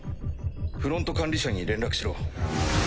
フロント管理者に連絡しろ。